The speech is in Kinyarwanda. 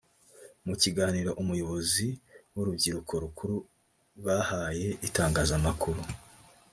mu kiganiro Ubuyobozi bw’Urukiko Rukuru bwahaye itangazamakuru